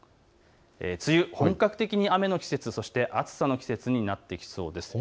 梅雨、本格的に雨の季節、そして暑さの季節になってきそうです。